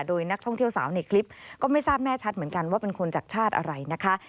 โดยนักท่องเที่ยวสาวในคลิปก็ไม่ทราบแน่ชัดเหมือนกันว่าเป็นคนจากชาติอะไรนะคะ